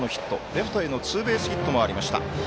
レフトへのツーベースヒットもありました。